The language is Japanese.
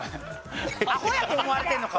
アホやと思われてんのか？